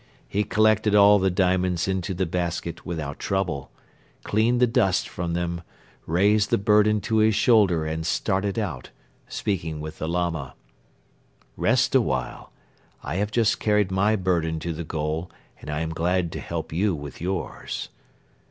He collected all the diamonds into the basket without trouble, cleaned the dust from them, raised the burden to his shoulder and started out, speaking with the Lama: "'Rest a while, I have just carried my burden to the goal and I am glad to help you with yours.